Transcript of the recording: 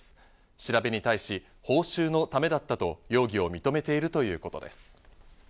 調べに対し報酬のためだったと容疑を認めているということです。